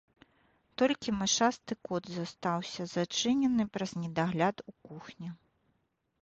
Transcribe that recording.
Толькі мышасты кот застаўся, зачынены праз недагляд у кухні.